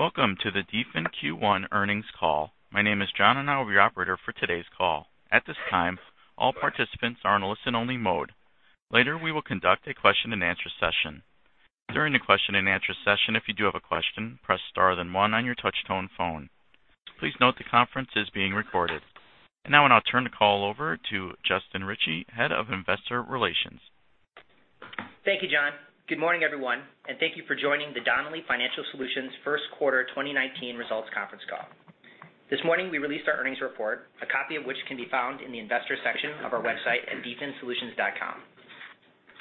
Welcome to the DFIN Q1 earnings call. My name is John, I will be your operator for today's call. At this time, all participants are in listen-only mode. Later, we will conduct a question-and-answer session. During the question-and-answer session, if you do have a question, press star then one on your touch-tone phone. Please note the conference is being recorded. I'll now turn the call over to Justin Ritchie, Head of Investor Relations. Thank you, John. Good morning, everyone, and thank you for joining the Donnelley Financial Solutions first quarter 2019 results conference call. This morning, we released our earnings report, a copy of which can be found in the Investors section of our website at dfinsolutions.com.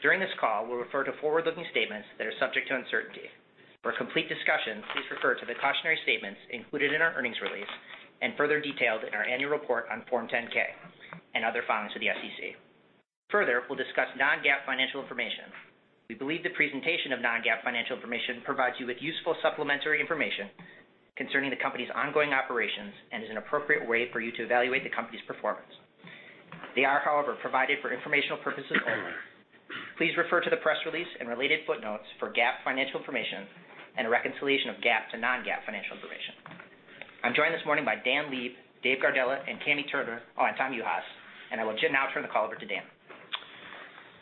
During this call, we'll refer to forward-looking statements that are subject to uncertainty. For a complete discussion, please refer to the cautionary statements included in our earnings release and further detailed in our annual report on Form 10-K and other filings with the SEC. Further, we'll discuss non-GAAP financial information. We believe the presentation of non-GAAP financial information provides you with useful supplementary information concerning the company's ongoing operations and is an appropriate way for you to evaluate the company's performance. They are, however, provided for informational purposes only. Please refer to the press release and related footnotes for GAAP financial information and a reconciliation of GAAP to non-GAAP financial information. I'm joined this morning by Dan Leib, Dave Gardella, Kami Turner, Tom Juhas, I will now turn the call over to Dan.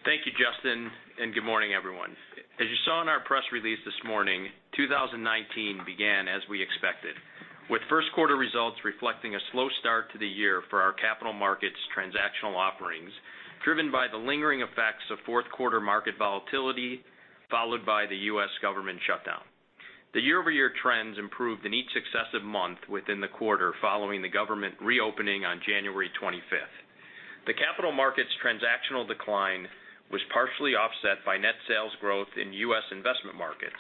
Thank you, Justin, good morning, everyone. As you saw in our press release this morning, 2019 began as we expected. With first quarter results reflecting a slow start to the year for our capital markets transactional offerings, driven by the lingering effects of fourth quarter market volatility, followed by the U.S. government shutdown. The year-over-year trends improved in each successive month within the quarter following the government reopening on January 25th. The capital markets transactional decline was partially offset by net sales growth in U.S. investment markets,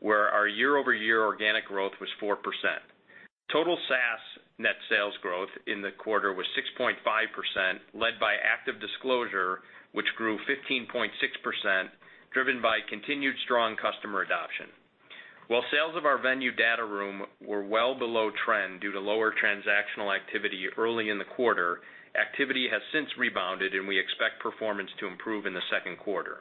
where our year-over-year organic growth was 4%. Total SaaS net sales growth in the quarter was 6.5%, led by ActiveDisclosure, which grew 15.6%, driven by continued strong customer adoption. While sales of our Venue data room were well below trend due to lower transactional activity early in the quarter, activity has since rebounded, and we expect performance to improve in the second quarter.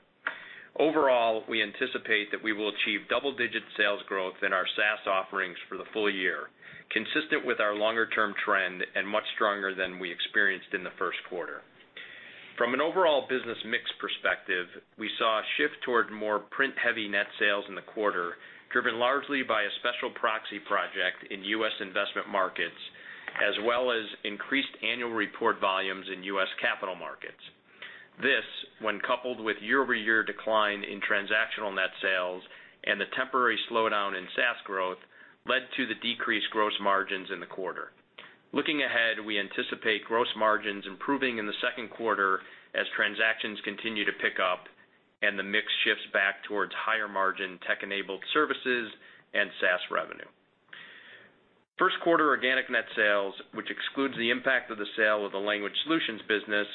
Overall, we anticipate that we will achieve double-digit sales growth in our SaaS offerings for the full year, consistent with our longer-term trend and much stronger than we experienced in the first quarter. From an overall business mix perspective, we saw a shift toward more print-heavy net sales in the quarter, driven largely by a special proxy project in U.S. investment markets, as well as increased annual report volumes in U.S. capital markets. This, when coupled with year-over-year decline in transactional net sales and the temporary slowdown in SaaS growth, led to the decreased gross margins in the quarter. Looking ahead, we anticipate gross margins improving in the second quarter as transactions continue to pick up and the mix shifts back towards higher margin tech-enabled services and SaaS revenue. First quarter organic net sales, which excludes the impact of the sale of the Language Solutions business,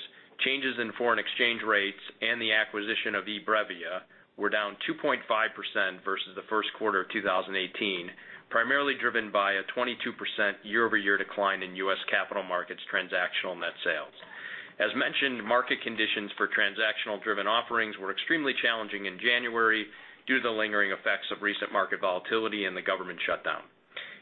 changes in foreign exchange rates, and the acquisition of eBrevia, were down 2.5% versus the first quarter of 2018, primarily driven by a 22% year-over-year decline in U.S. capital markets transactional net sales. As mentioned, market conditions for transactional-driven offerings were extremely challenging in January due to the lingering effects of recent market volatility and the government shutdown.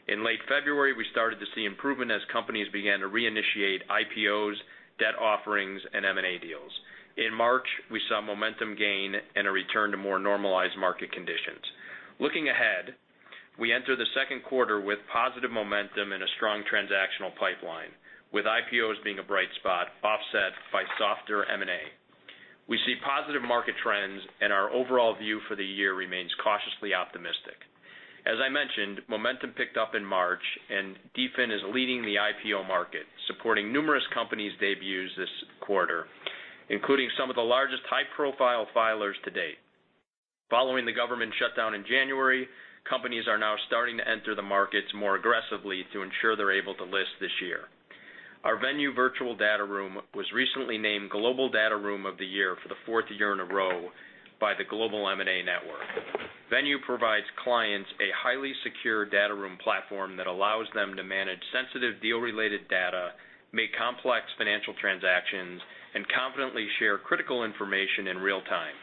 In late February, we started to see improvement as companies began to reinitiate IPOs, debt offerings, and M&A deals. In March, we saw momentum gain and a return to more normalized market conditions. Looking ahead, we enter the second quarter with positive momentum and a strong transactional pipeline, with IPOs being a bright spot offset by softer M&A. We see positive market trends, and our overall view for the year remains cautiously optimistic. As I mentioned, momentum picked up in March. DFIN is leading the IPO market, supporting numerous companies' debuts this quarter, including some of the largest high-profile filers to date. Following the government shutdown in January, companies are now starting to enter the markets more aggressively to ensure they're able to list this year. Our Venue virtual data room was recently named Global Data Room of the Year for the fourth year in a row by the Global M&A Network. Venue provides clients a highly secure data room platform that allows them to manage sensitive deal-related data, make complex financial transactions, and confidently share critical information in real time.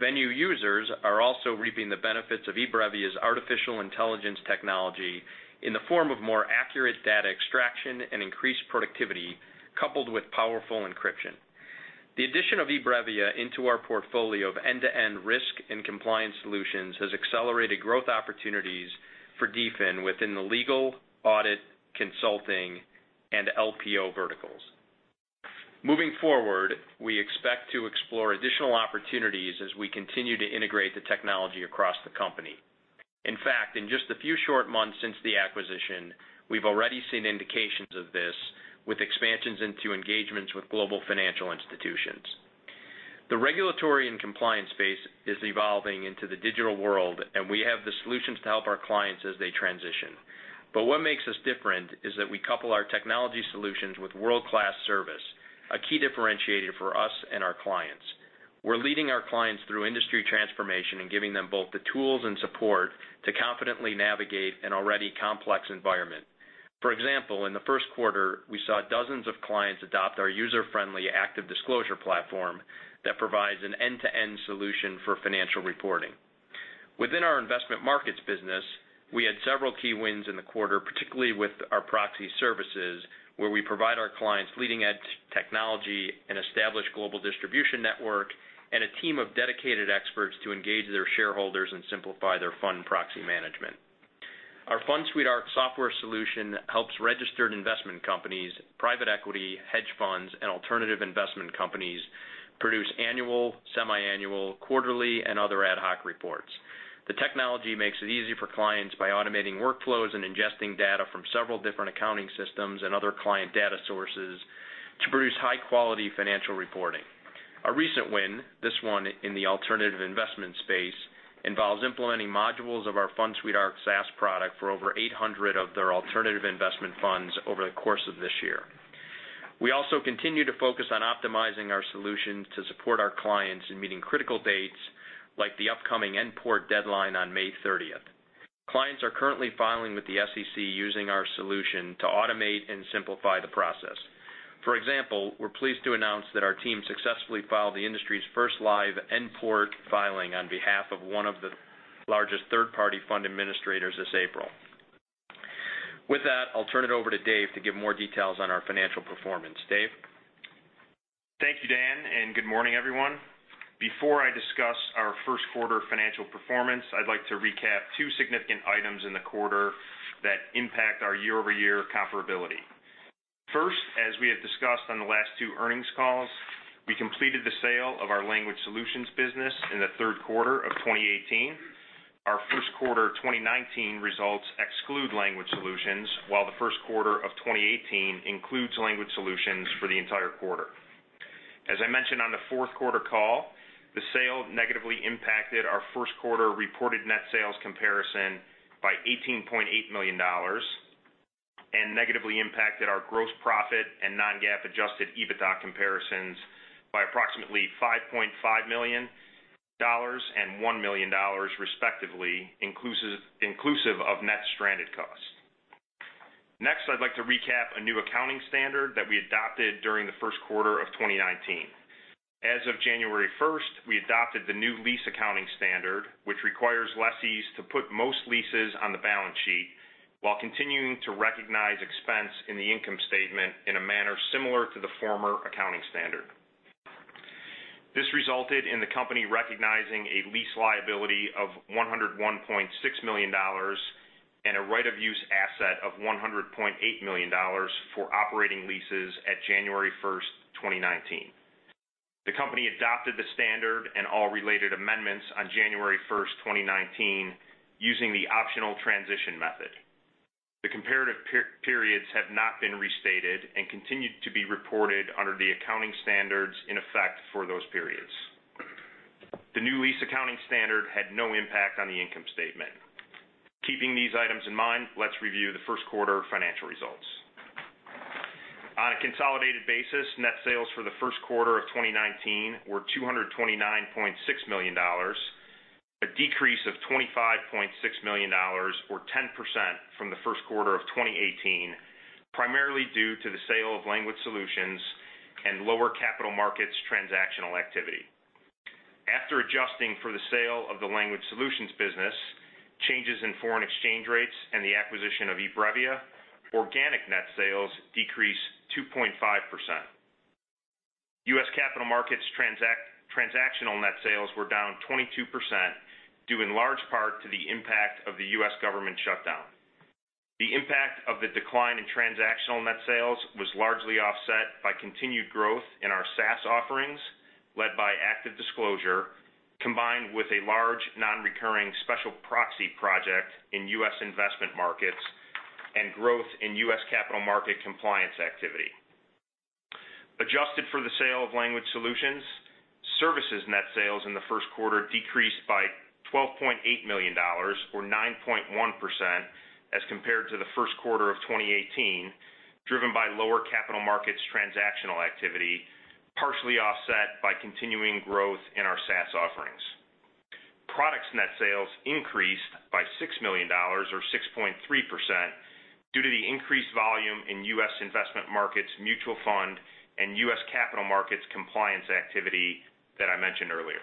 Venue users are also reaping the benefits of eBrevia's artificial intelligence technology in the form of more accurate data extraction and increased productivity, coupled with powerful encryption. The addition of eBrevia into our portfolio of end-to-end risk and compliance solutions has accelerated growth opportunities for DFIN within the legal, audit, consulting, and LPO verticals. Moving forward, we expect to explore additional opportunities as we continue to integrate the technology across the company. In fact, in just a few short months since the acquisition, we've already seen indications of this with expansions into engagements with global financial institutions. The regulatory and compliance space is evolving into the digital world, and we have the solutions to help our clients as they transition. What makes us different is that we couple our technology solutions with world-class service, a key differentiator for us and our clients. We're leading our clients through industry transformation and giving them both the tools and support to confidently navigate an already complex environment. For example, in the first quarter, we saw dozens of clients adopt our user-friendly ActiveDisclosure platform that provides an end-to-end solution for financial reporting. Within our investment markets business, we had several key wins in the quarter, particularly with our proxy services, where we provide our clients leading-edge technology, an established global distribution network, and a team of dedicated experts to engage their shareholders and simplify their fund proxy management. Our FundSuite ARC software solution helps registered investment companies, private equity, hedge funds, and alternative investment companies produce annual, semiannual, quarterly, and other ad hoc reports. The technology makes it easy for clients by automating workflows and ingesting data from several different accounting systems and other client data sources to produce high-quality financial reporting. A recent win, this one in the alternative investment space, involves implementing modules of our FundSuite ARC SaaS product for over 800 of their alternative investment funds over the course of this year. We also continue to focus on optimizing our solutions to support our clients in meeting critical dates like the upcoming N-PORT deadline on May 30th. Clients are currently filing with the SEC using our solution to automate and simplify the process. For example, we're pleased to announce that our team successfully filed the industry's first live N-PORT filing on behalf of one of the largest third-party fund administrators this April. With that, I'll turn it over to Dave to give more details on our financial performance. Dave? Thank you, Dan, and good morning, everyone. Before I discuss our first quarter financial performance, I'd like to recap two significant items in the quarter that impact our year-over-year comparability. First, as we have discussed on the last two earnings calls, we completed the sale of our Language Solutions business in the third quarter of 2018. Our first quarter 2019 results exclude Language Solutions, while the first quarter of 2018 includes Language Solutions for the entire quarter. As I mentioned on the fourth quarter call, the sale negatively impacted our first quarter reported net sales comparison by $18.8 million and negatively impacted our gross profit and non-GAAP adjusted EBITDA comparisons by approximately $5.5 million and $1 million, respectively, inclusive of net stranded costs. Next, I'd like to recap a new accounting standard that we adopted during the first quarter of 2019. As of January 1st, we adopted the new lease accounting standard, which requires lessees to put most leases on the balance sheet while continuing to recognize expense in the income statement in a manner similar to the former accounting standard. This resulted in the company recognizing a lease liability of $101.6 million and a right-of-use asset of $100.8 million for operating leases at January 1st, 2019. The company adopted the standard and all related amendments on January 1st, 2019, using the optional transition method. The comparative periods have not been restated and continue to be reported under the accounting standards in effect for those periods. The new lease accounting standard had no impact on the income statement. Keeping these items in mind, let's review the first quarter financial results. On a consolidated basis, net sales for the first quarter of 2019 were $229.6 million, a decrease of $25.6 million, or 10%, from the first quarter of 2018, primarily due to the sale of Language Solutions and lower capital markets transactional activity. After adjusting for the sale of the Language Solutions business, changes in foreign exchange rates, and the acquisition of eBrevia, organic net sales decreased 2.5%. U.S. capital markets transactional net sales were down 22%, due in large part to the impact of the U.S. government shutdown. The impact of the decline in transactional net sales was largely offset by continued growth in our SaaS offerings, led by ActiveDisclosure, combined with a large non-recurring special proxy project in U.S. investment markets and growth in U.S. capital market compliance activity. Adjusted for the sale of Language Solutions, services net sales in the first quarter decreased by $12.8 million, or 9.1%, as compared to the first quarter of 2018, driven by lower capital markets transactional activity, partially offset by continuing growth in our SaaS offerings. Products net sales increased by $6 million, or 6.3%, due to the increased volume in U.S. investment markets mutual fund and U.S. capital markets compliance activity that I mentioned earlier.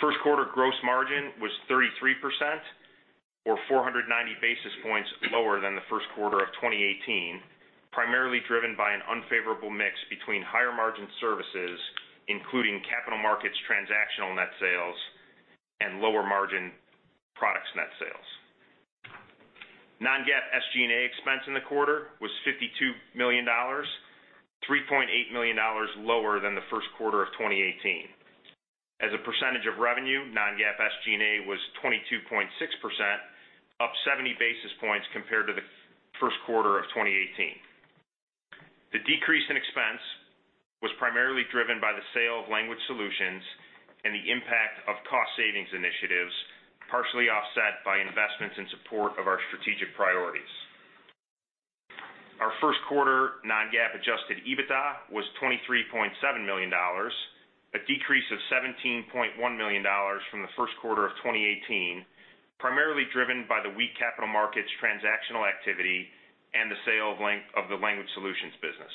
First quarter gross margin was 33%, or 490 basis points lower than the first quarter of 2018, primarily driven by an unfavorable mix between higher margin services, including capital markets transactional net sales, and lower margin products net sales. Non-GAAP SG&A expense in the quarter was $52 million, $3.8 million lower than the first quarter of 2018. As a percentage of revenue, Non-GAAP SG&A was 22.6%, up 70 basis points compared to the first quarter of 2018. The decrease in expense was primarily driven by the sale of Language Solutions and the impact of cost savings initiatives, partially offset by investments in support of our strategic priorities. Our first quarter Non-GAAP adjusted EBITDA was $23.7 million, a decrease of $17.1 million from the first quarter of 2018, primarily driven by the weak capital markets transactional activity and the sale of the Language Solutions business.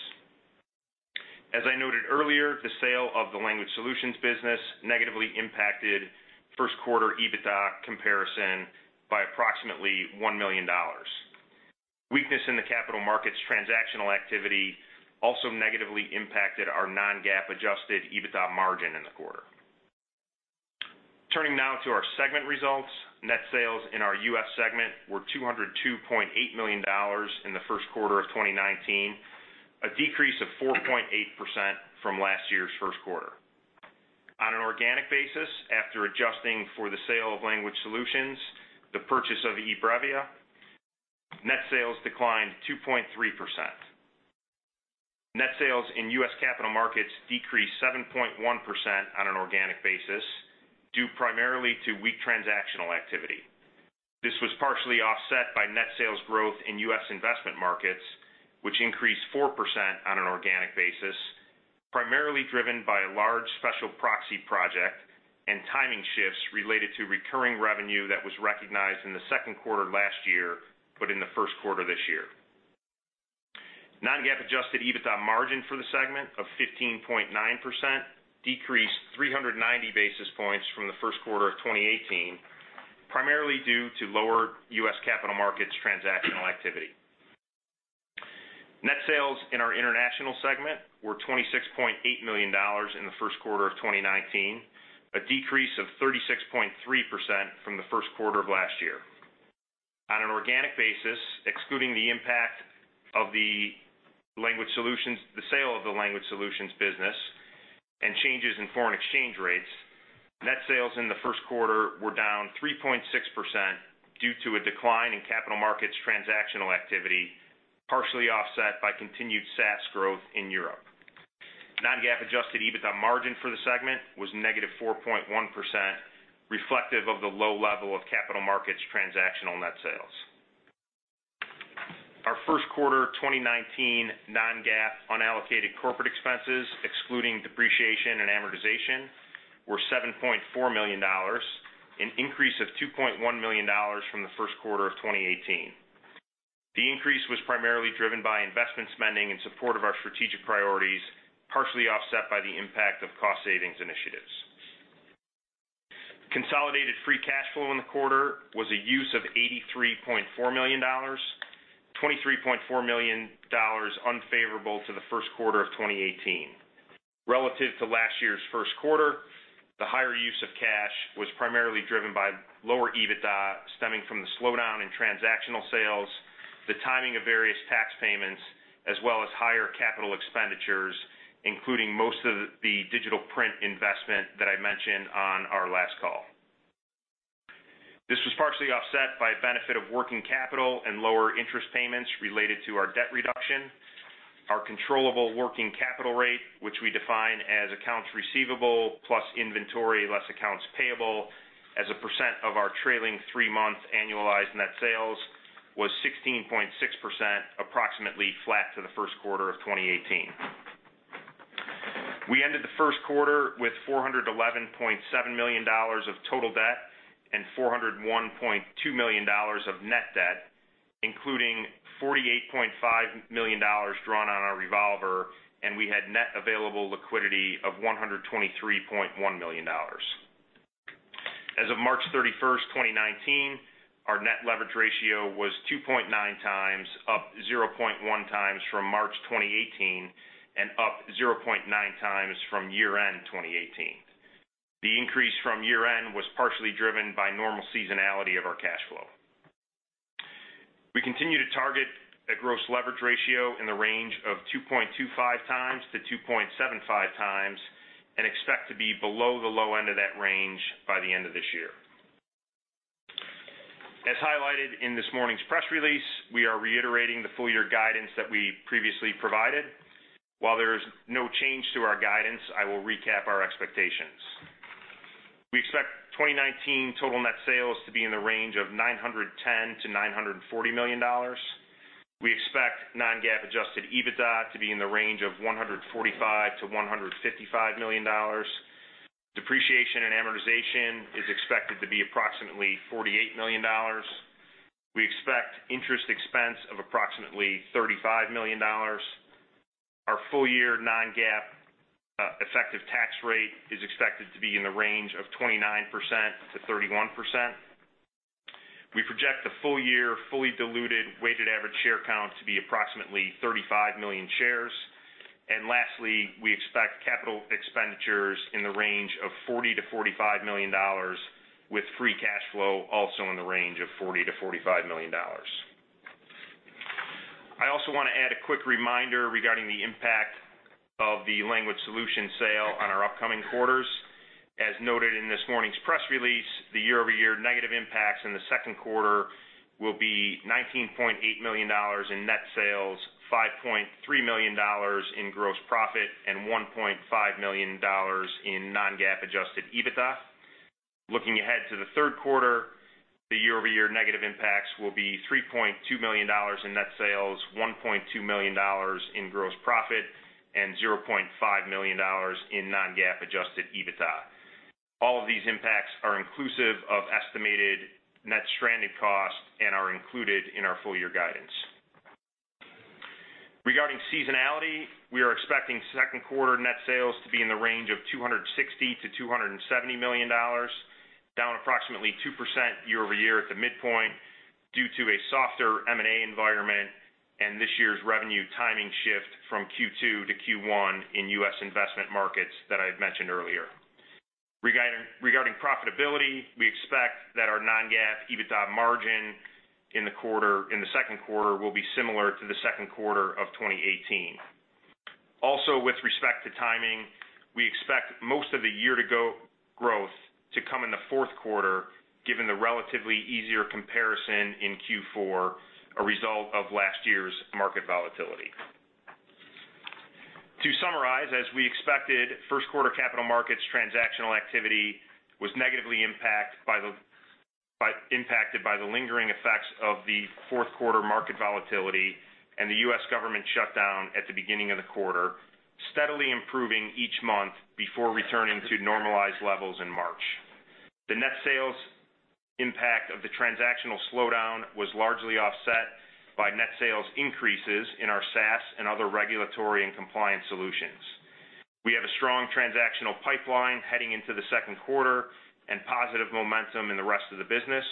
As I noted earlier, the sale of the Language Solutions business negatively impacted first quarter EBITDA comparison by approximately $1 million. Weakness in the capital markets transactional activity also negatively impacted our Non-GAAP adjusted EBITDA margin in the quarter. Turning now to our segment results. Net sales in our U.S. segment were $202.8 million in the first quarter of 2019, a decrease of 4.8% from last year's first quarter. On an organic basis, after adjusting for the sale of Language Solutions, the purchase of eBrevia, net sales declined 2.3%. Net sales in U.S. Capital Markets decreased 7.1% on an organic basis, due primarily to weak transactional activity. This was partially offset by net sales growth in U.S. Investment Markets, which increased 4% on an organic basis, primarily driven by a large special proxy project and timing shifts related to recurring revenue that was recognized in the second quarter last year, but in the first quarter this year. Non-GAAP adjusted EBITDA margin for the segment of 15.9% decreased 390 basis points from the first quarter of 2018, primarily due to lower U.S. capital markets transactional activity. Net sales in our international segment were $26.8 million in the first quarter of 2019, a decrease of 36.3% from the first quarter of last year. On an organic basis, excluding the impact of the sale of the Language Solutions business and changes in foreign exchange rates, net sales in the first quarter were down 3.6% due to a decline in capital markets transactional activity, partially offset by continued SaaS growth in Europe. Non-GAAP adjusted EBITDA margin for the segment was negative 4.1%, reflective of the low level of capital markets transactional net sales. Our first quarter 2019 non-GAAP unallocated corporate expenses, excluding depreciation and amortization, were $7.4 million, an increase of $2.1 million from the first quarter of 2018. The increase was primarily driven by investment spending in support of our strategic priorities, partially offset by the impact of cost savings initiatives. Consolidated free cash flow in the quarter was a use of $83.4 million, $23.4 million unfavorable to the first quarter of 2018. Relative to last year's first quarter, the higher use of cash was primarily driven by lower EBITDA stemming from the slowdown in transactional sales, the timing of various tax payments, as well as higher capital expenditures, including most of the digital print investment that I mentioned on our last call. This was partially offset by a benefit of working capital and lower interest payments related to our debt reduction. Our controllable working capital rate, which we define as accounts receivable plus inventory, less accounts payable as a % of our trailing three-month annualized net sales, was 16.6%, approximately flat to the first quarter of 2018. We ended the first quarter with $411.7 million of total debt and $401.2 million of net debt, including $48.5 million drawn on our revolver, and we had net available liquidity of $123.1 million. As of March 31st, 2019, our net leverage ratio was 2.9 times, up 0.1 times from March 2018 and up 0.9 times from year-end 2018. The increase from year-end was partially driven by normal seasonality of our cash flow. We continue to target a gross leverage ratio in the range of 2.25 times to 2.75 times and expect to be below the low end of that range by the end of this year. As highlighted in this morning's press release, we are reiterating the full year guidance that we previously provided. While there is no change to our guidance, I will recap our expectations. We expect 2019 total net sales to be in the range of $910 million-$940 million. We expect non-GAAP adjusted EBITDA to be in the range of $145 million-$155 million. Depreciation and amortization is expected to be approximately $48 million. We expect interest expense of approximately $35 million. Our full year non-GAAP effective tax rate is expected to be in the range of 29%-31%. We project the full year fully diluted weighted average share count to be approximately 35 million shares. Lastly, we expect capital expenditures in the range of $40 million-$45 million, with free cash flow also in the range of $40 million-$45 million. I also want to add a quick reminder regarding the impact of the Language Solutions sale on our upcoming quarters. As noted in this morning's press release, the year-over-year negative impacts in the second quarter will be $19.8 million in net sales, $5.3 million in gross profit, and $1.5 million in non-GAAP adjusted EBITDA. Looking ahead to the third quarter, the year-over-year negative impacts will be $3.2 million in net sales, $1.2 million in gross profit, and $0.5 million in non-GAAP adjusted EBITDA. All of these impacts are inclusive of estimated net stranded costs and are included in our full-year guidance. Regarding seasonality, we are expecting second quarter net sales to be in the range of $260 million-$270 million, down approximately 2% year-over-year at the midpoint due to a softer M&A environment and this year's revenue timing shift from Q2 to Q1 in U.S. investment markets that I had mentioned earlier. Regarding profitability, we expect that our non-GAAP EBITDA margin in the second quarter will be similar to the second quarter of 2018. Also with respect to timing, we expect most of the year-to-go growth to come in the fourth quarter, given the relatively easier comparison in Q4, a result of last year's market volatility. To summarize, as we expected, first quarter capital markets transactional activity was negatively impacted by the lingering effects of the fourth quarter market volatility and the U.S. government shutdown at the beginning of the quarter, steadily improving each month before returning to normalized levels in March. The net sales impact of the transactional slowdown was largely offset by net sales increases in our SaaS and other regulatory and compliance solutions. We have a strong transactional pipeline heading into the second quarter and positive momentum in the rest of the business.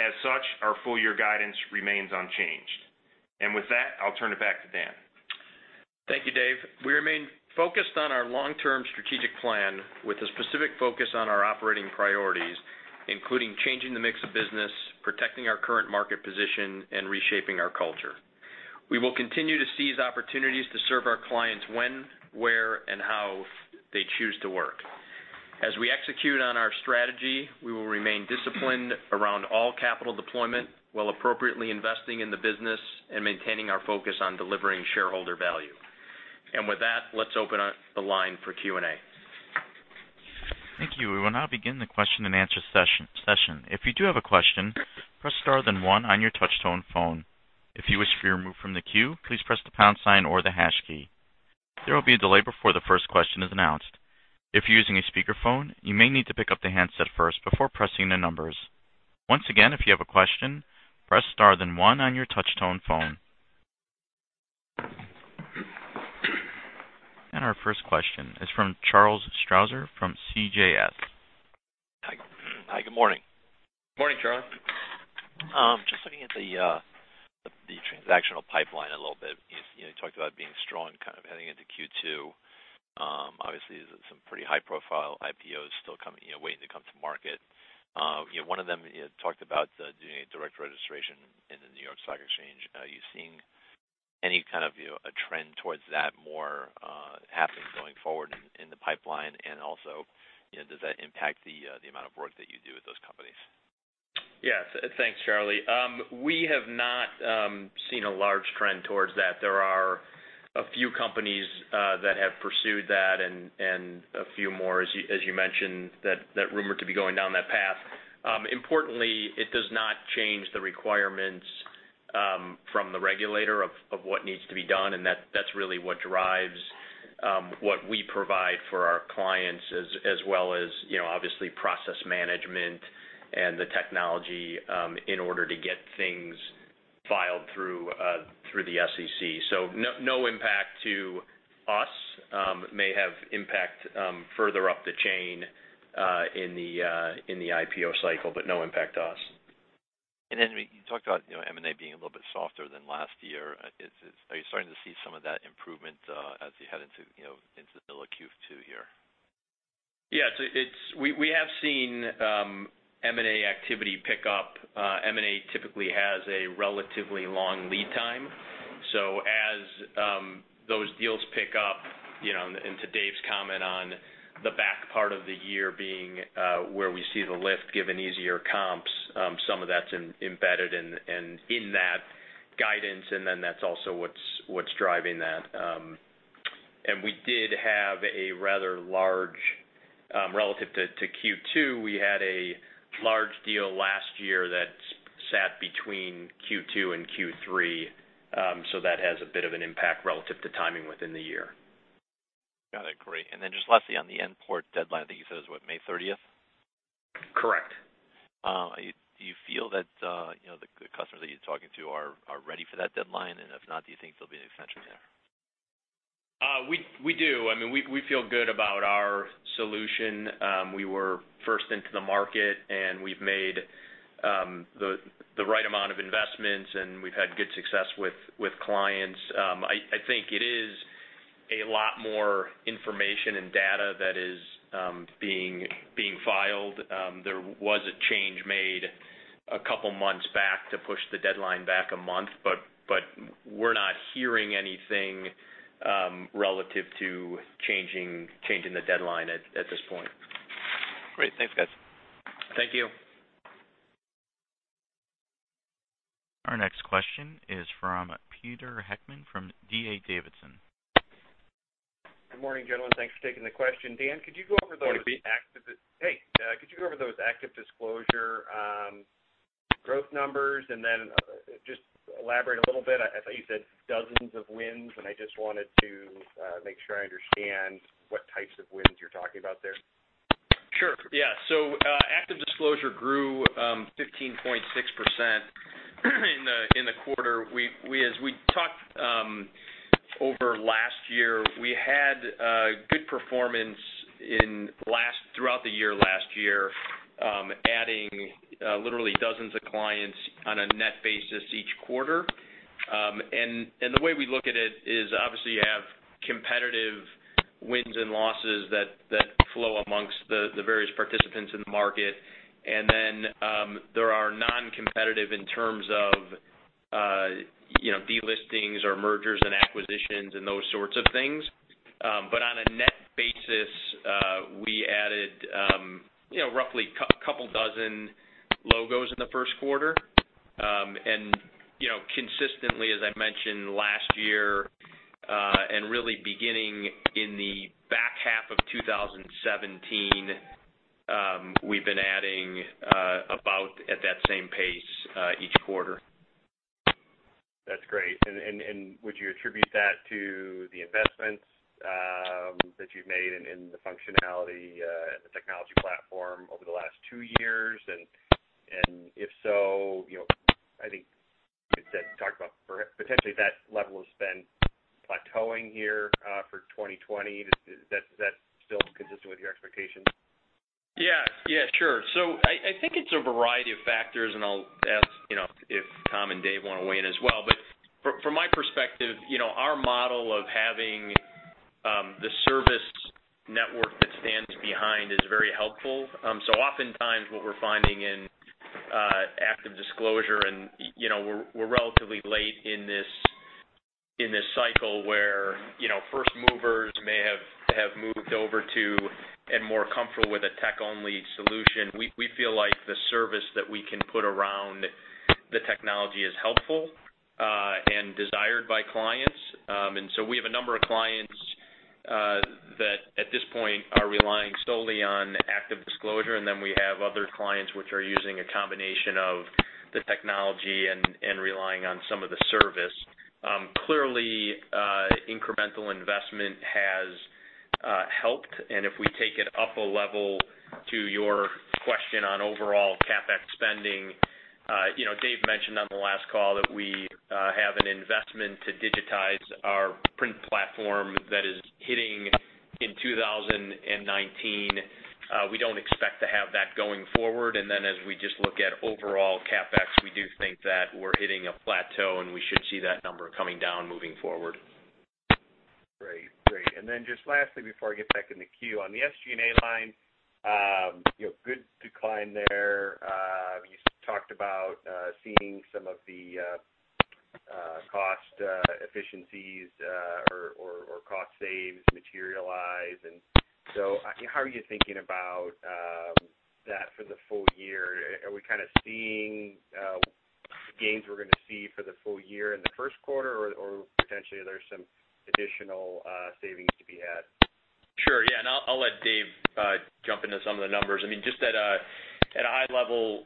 As such, our full-year guidance remains unchanged. With that, I'll turn it back to Dan. Thank you, Dave. We remain focused on our long-term strategic plan with a specific focus on our operating priorities, including changing the mix of business, protecting our current market position, and reshaping our culture. We will continue to seize opportunities to serve our clients when, where, and how they choose to work. As we execute on our strategy, we will remain disciplined around all capital deployment while appropriately investing in the business and maintaining our focus on delivering shareholder value. With that, let's open up the line for Q&A. Thank you. We will now begin the question-and-answer session. If you do have a question, press star then one on your touch-tone phone. If you wish to be removed from the queue, please press the pound sign or the hash key. There will be a delay before the first question is announced. If you're using a speakerphone, you may need to pick up the handset first before pressing the numbers. Once again, if you have a question, press star then one on your touch-tone phone. Our first question is from Charles Strauzer from CJS. Hi. Good morning. Morning, Charles. Just looking at the transactional pipeline a little bit. You talked about being strong kind of heading into Q2. Obviously, there's some pretty high-profile IPOs still waiting to come to market. One of them you had talked about doing a direct listing in the New York Stock Exchange. Are you seeing any kind of a trend towards that more happening going forward in the pipeline? Also, does that impact the amount of work that you do with those companies? Yes. Thanks, Charlie. We have not seen a large trend towards that. There are a few companies that have pursued that and a few more, as you mentioned, that rumored to be going down that path. Importantly, it does not change the requirements from the regulator of what needs to be done, and that's really what drives what we provide for our clients, as well as obviously process management and the technology in order to get things filed through the SEC. No impact to us. May have impact further up the chain in the IPO cycle, no impact to us. You talked about M&A being a little bit softer than last year. Are you starting to see some of that improvement as you head into the middle of Q2 here? Yes. We have seen M&A activity pick up. M&A typically has a relatively long lead time. As those deals pick up, and to Dave's comment on the back part of the year being where we see the lift given easier comps, some of that's embedded in that guidance, that's also what's driving that. Relative to Q2, we had a large deal last year that sat between Q2 and Q3. That has a bit of an impact relative to timing within the year. Got it. Great. Just lastly, on the N-PORT deadline, I think you said it was, what, May 30th? Correct. Do you feel that the customers that you're talking to are ready for that deadline? If not, do you think there'll be an extension there? We do. We feel good about our solution. We were first into the market, and we've made the right amount of investments, and we've had good success with clients. I think it is a lot more information and data that is being filed. There was a change made a couple of months back to push the deadline back a month, but we're not hearing anything relative to changing the deadline at this point. Great. Thanks, guys. Thank you. Our next question is from Peter Heckmann from D.A. Davidson. Good morning, gentlemen. Thanks for taking the question. Dan, could you go over those- Morning, Pete. Hey. Could you go over those ActiveDisclosure growth numbers, and then just elaborate a little bit? I thought you said dozens of wins, and I just wanted to make sure I understand what types of wins you're talking about there. Sure. Yeah. ActiveDisclosure grew 15.6% in the quarter. As we talked over last year, we had good performance throughout the year last year, adding literally dozens of clients on a net basis each quarter. The way we look at it is, obviously, you have competitive wins and losses that flow amongst the various participants in the market. Then, there are non-competitive in terms of delistings or mergers and acquisitions and those sorts of things. On a net basis, we added roughly couple dozen logos in the first quarter. Consistently, as I mentioned last year, and really beginning in the back half of 2017, we've been adding about at that same pace, each quarter. That's great. Would you attribute that to the investments that you've made in the functionality and the technology platform over the last two years? If so, I think you said, talked about potentially that level of spend plateauing here, for 2020. Is that still consistent with your expectations? Yeah. Sure. I think it's a variety of factors, and I'll ask if Tom and Dave want to weigh in as well. From my perspective, our model of having the service network that stands behind is very helpful. Oftentimes what we're finding in ActiveDisclosure, and we're relatively late in this cycle where first movers may have moved over to, and more comfortable with a tech-only solution. We feel like the service that we can put around the technology is helpful, and desired by clients. We have a number of clients that at this point are relying solely on ActiveDisclosure, then we have other clients which are using a combination of the technology and relying on some of the service. Clearly, incremental investment has helped, and if we take it up a level to your question on overall CapEx spending, Dave mentioned on the last call that we have an investment to digitize our print platform that is hitting in 2019. We don't expect to have that going forward. Then as we just look at overall CapEx, we do think that we're hitting a plateau, and we should see that number coming down moving forward. Great. Just lastly before I get back in the queue, on the SG&A line, good decline there. You talked about seeing some of the cost efficiencies or cost saves materialize. So how are you thinking about that for the full year? Are we kind of seeing gains we're going to see for the full year in the first quarter, or potentially there's some additional savings to be had? Sure. Yeah. I'll let Dave jump into some of the numbers. Just at a high level,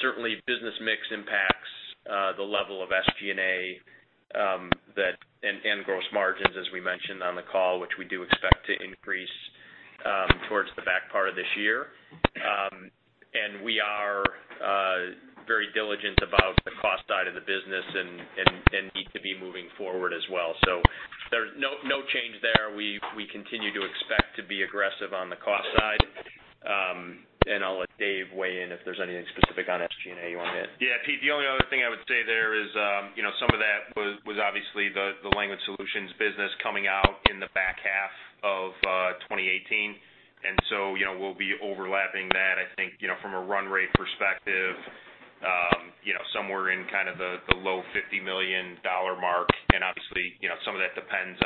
certainly business mix impacts the level of SG&A and gross margins, as we mentioned on the call, which we do expect to increase towards the back part of this year. We are very diligent about the cost side of the business and need to be moving forward as well. There's no change there. We continue to expect to be aggressive on the cost side. I'll let Dave weigh in if there's anything specific on SG&A you want to hit. Yeah, Pete, the only other thing I would say there is some of that was obviously the Language Solutions business coming out in the back half of 2018. So, we'll be overlapping that, I think, from a run rate perspective, somewhere in kind of the low $50 million mark, and obviously some of that depends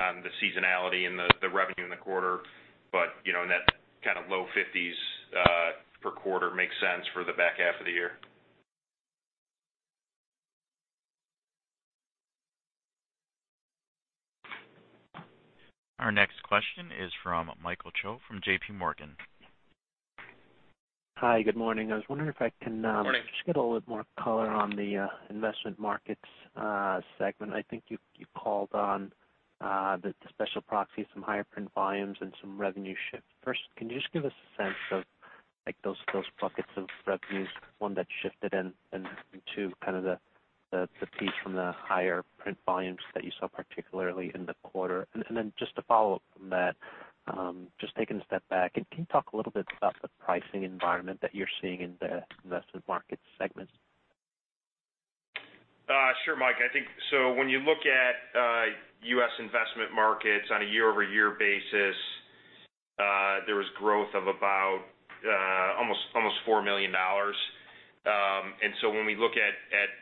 on the seasonality and the revenue in the quarter. In that kind of low 50s per quarter makes sense for the back half of the year. Our next question is from Michael Zhao from J.P. Morgan. Hi, good morning. I was wondering if I. Good morning just get a little bit more color on the investment markets segment. I think you called on the special proxy, some higher print volumes and some revenue shifts. Can you just give us a sense of those buckets of revenues, one that shifted in and two, kind of the piece from the higher print volumes that you saw, particularly in the quarter. Just to follow up from that, just taking a step back, can you talk a little bit about the pricing environment that you're seeing in the investment markets segment? Sure, Mike. When you look at U.S. investment markets on a year-over-year basis, there was growth of about almost $4 million. When we look at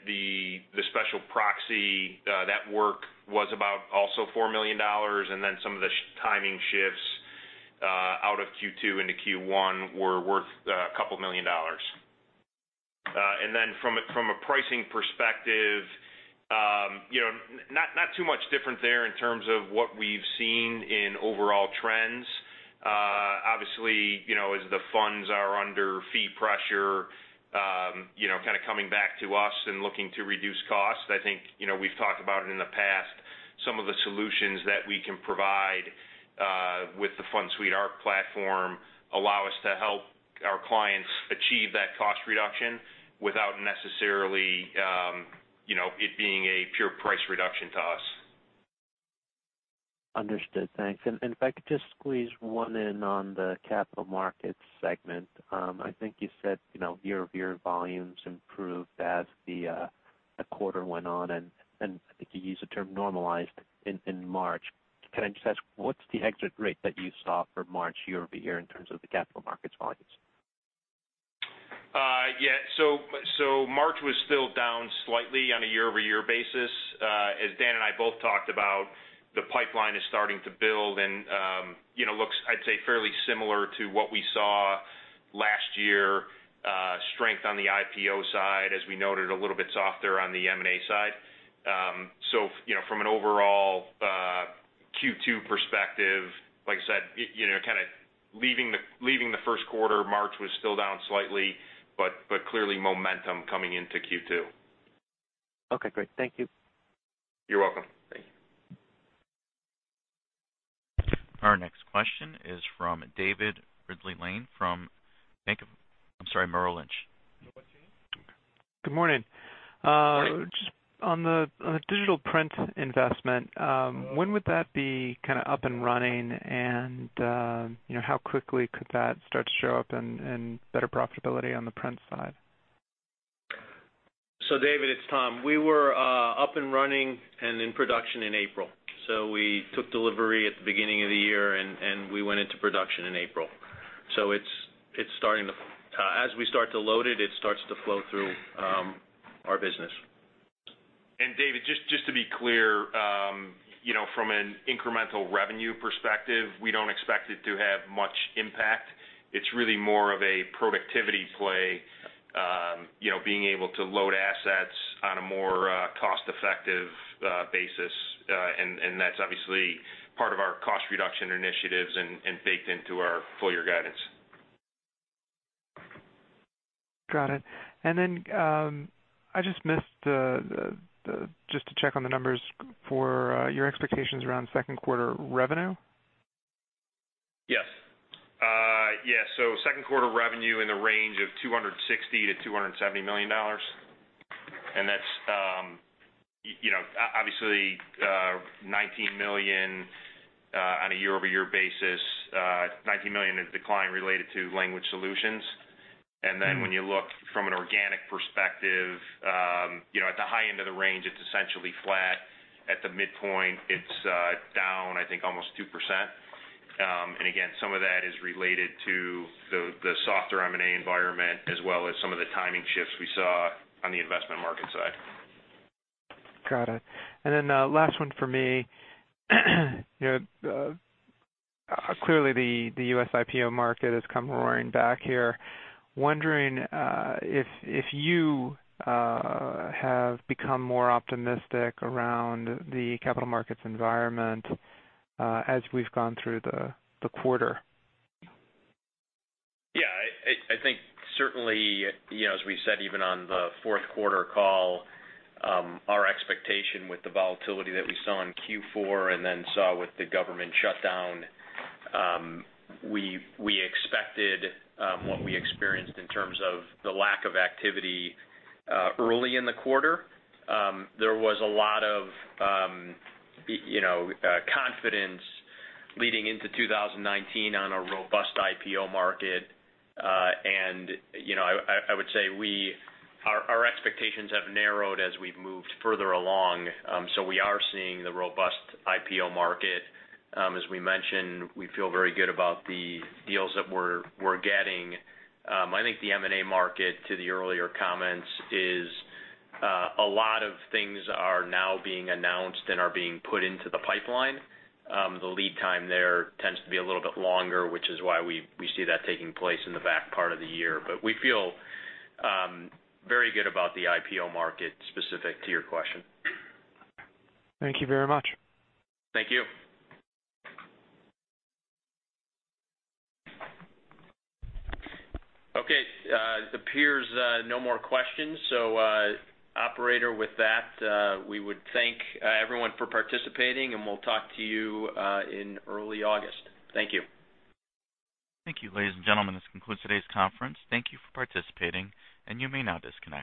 the special proxy, that work was about also $4 million. Some of the timing shifts out of Q2 into Q1 were worth a couple million dollars. From a pricing perspective, not too much different there in terms of what we've seen in overall trends. Obviously, as the funds are under fee pressure, kind of coming back to us and looking to reduce costs. I think we've talked about it in the past, some of the solutions that we can provide, with the FundSuite ARC platform, allow us to help our clients achieve that cost reduction without necessarily it being a pure price reduction to us. Understood. Thanks. If I could just squeeze one in on the capital markets segment. I think you said, year-over-year volumes improved as the quarter went on, and I think you used the term normalized in March. Can I just ask, what's the exit rate that you saw for March year-over-year in terms of the capital markets volumes? Yeah. March was still down slightly on a year-over-year basis. As Dan and I both talked about, the pipeline is starting to build and looks, I'd say, fairly similar to what we saw last year. Strength on the IPO side, as we noted, a little bit softer on the M&A side. From an overall Q2 perspective, like I said, kind of leaving the first quarter, March was still down slightly, but clearly momentum coming into Q2. Okay, great. Thank you. You're welcome. Thank you. Our next question is from David Ridley-Lane from Merrill Lynch. Good morning. Morning. Just on the digital print investment, when would that be up and running and how quickly could that start to show up in better profitability on the print side? David, it's Tom. We were up and running and in production in April. We took delivery at the beginning of the year, and we went into production in April. As we start to load it starts to flow through our business. David, just to be clear, from an incremental revenue perspective, we don't expect it to have much impact. It's really more of a productivity play, being able to load assets on a more cost-effective basis. That's obviously part of our cost reduction initiatives and baked into our full-year guidance. Got it. I just missed. Just to check on the numbers for your expectations around second quarter revenue? Yes. Second quarter revenue in the range of $260 million-$270 million. That's, obviously, $19 million on a year-over-year basis. $19 million is decline related to Language Solutions. When you look from an organic perspective, at the high end of the range, it's essentially flat. At the midpoint, it's down, I think, almost 2%. Again, some of that is related to the softer M&A environment, as well as some of the timing shifts we saw on the investment market side. Got it. Last one for me. Clearly the U.S. IPO market has come roaring back here. Wondering if you have become more optimistic around the capital markets environment as we've gone through the quarter. I think certainly, as we said even on the fourth quarter call, our expectation with the volatility that we saw in Q4 and saw with the government shutdown, we expected what we experienced in terms of the lack of activity early in the quarter. There was a lot of confidence leading into 2019 on a robust IPO market. I would say our expectations have narrowed as we've moved further along. We are seeing the robust IPO market. We mentioned, we feel very good about the deals that we're getting. I think the M&A market, to the earlier comments, is a lot of things are now being announced and are being put into the pipeline. The lead time there tends to be a little bit longer, which is why we see that taking place in the back part of the year. We feel very good about the IPO market, specific to your question. Thank you very much. Thank you. Okay, it appears no more questions. Operator, with that, we would thank everyone for participating, and we'll talk to you in early August. Thank you. Thank you, ladies and gentlemen. This concludes today's conference. Thank you for participating, and you may now disconnect.